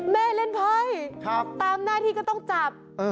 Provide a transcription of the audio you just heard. เล่นไพ่ตามหน้าที่ก็ต้องจับ